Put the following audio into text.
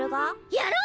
やろう！